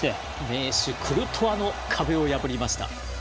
名手、クルトワの壁を破りました。